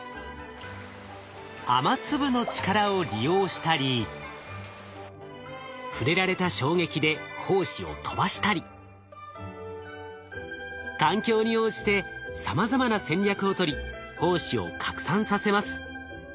雨粒の力を利用したり触れられた衝撃で胞子を飛ばしたり環境に応じてさまざまな戦略をとり胞子を拡散させます。